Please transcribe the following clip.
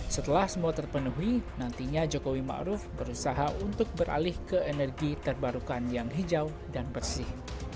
setelah semua terpenuhi nantinya jokowi ⁇ maruf ⁇ berusaha untuk beralih ke energi terbarukan yang hijau dan bersih